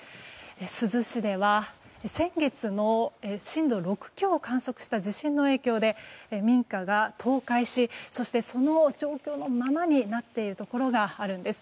珠洲市では先月の震度６強を観測した地震の影響で民家が倒壊しそして、その状況のままになっているところがあるんです。